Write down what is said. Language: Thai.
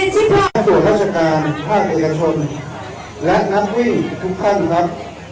สิ่งที่พร้อมตัวราชการภาคเอกชนและนักวิทย์ทุกท่านครับ